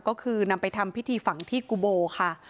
ก็คือนำไปทำพิธีฝังที่กุโบค่ะ